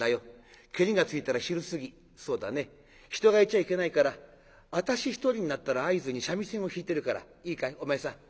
ケリがついたら昼過ぎそうだね人がいちゃいけないから私一人になったら合図に三味線を弾いてるからいいかいお前さん